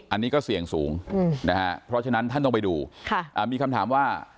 อันนี้ก็เสี่ยงสูงนะฮะเพราะฉะนั้นท่านต้องไปดูมีคำถามว่า